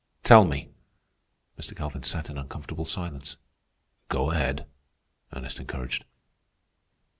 Tell me." Mr. Calvin sat in uncomfortable silence. "Go ahead," Ernest encouraged.